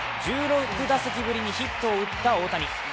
１６打席ぶりにヒットを打った大谷。